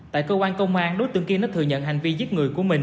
tại cơ quan công an đối tượng kia nó thừa nhận hành vi giết người của mình